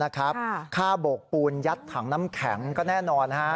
ค่าโบกปูนยัดถังน้ำแข็งก็แน่นอน